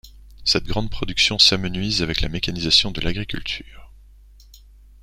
Cette grande production s'amenuise avec la mécanisation de l'agriculture.